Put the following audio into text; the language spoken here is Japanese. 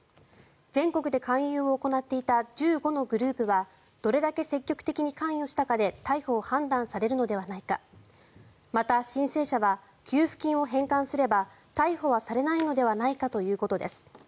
全国で勧誘を行っていた１５のグループはどれだけ積極的に関与したかで逮捕を判断されるのではないかまた、申請者は給付金を返還すれば逮捕はされないのではないかということです。